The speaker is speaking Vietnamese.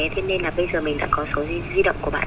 thế nên là bây giờ mình đã có số di động của bạn đây rồi